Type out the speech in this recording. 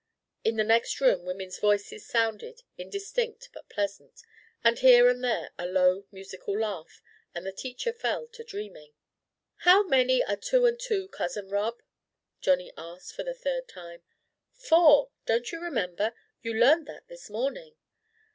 In the next room women's voices sounded, indistinct, but pleasant, with here and there a low, musical laugh, and the teacher fell to dreaming. "How many are two and two, Cousin Rob?" Johnny asked, for the third time. "Four don't you remember? You learned that this morning."